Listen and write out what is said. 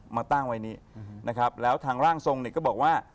มาตั้งไว้นี้นะครับแล้วทางร่างทรงเนี่ยก็บอกว่า